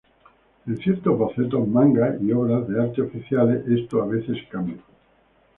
En ciertos bocetos manga y obras de arte oficiales, esto a veces cambia.